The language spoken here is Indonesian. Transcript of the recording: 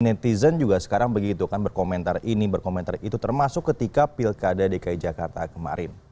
netizen juga sekarang begitu kan berkomentar ini berkomentar itu termasuk ketika pilkada dki jakarta kemarin